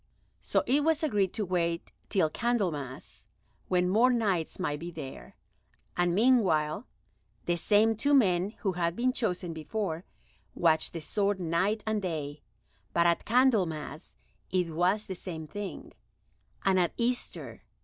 So it was agreed to wait till Candlemas, when more Knights might be there, and meanwhile the same two men who had been chosen before watched the sword night and day; but at Candlemas it was the same thing, and at Easter.